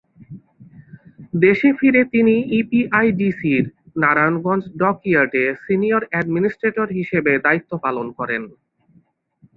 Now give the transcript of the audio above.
দেশে ফিরে তিনি ইপিআইডিসির নারায়ণগঞ্জ ডক ইয়ার্ডে সিনিয়র অ্যাডমিনিস্ট্রেটর হিসেবে দায়িত্ব পালন করেন।